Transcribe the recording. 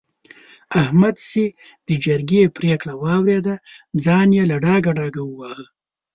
احمد چې د جرګې پرېکړه واورېده؛ ځان يې له ډاګه ډاګه وواهه.